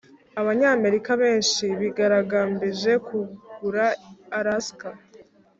abanyamerika benshi bigaragambije kugura alaska.